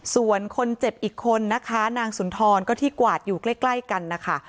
ส่วนคนเจ็บอีกคนนะคะนางสุนทรก็ที่กวาดอยู่ใกล้กันนะคะ